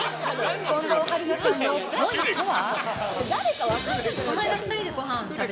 近藤春菜さんのっぽいとは？